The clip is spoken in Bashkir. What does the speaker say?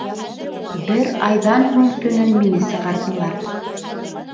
Бер айҙан һуң төнөн мине сығарҙылар.